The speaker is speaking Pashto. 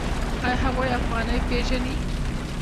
آیا هغوی افغانۍ پیژني؟